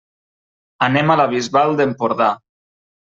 Anem a la Bisbal d'Empordà.